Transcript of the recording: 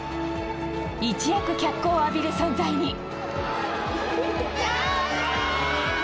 一躍脚光を浴びる存在に。